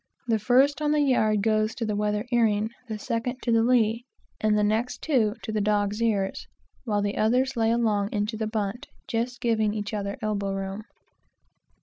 The first on the yard goes to the weather earing, the second to the lee, and the next two to the "dog's ears;" while the others lay along into the bunt, just giving each other elbow room.